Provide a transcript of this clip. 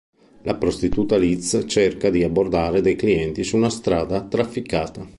La prostituta Liz cerca di abbordare dei clienti su una strada trafficata.